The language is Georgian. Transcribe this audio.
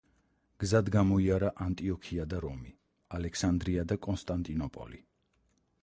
გზად გამოიარა ანტიოქია და რომი, ალექსანდრია და კონსტანტინოპოლი.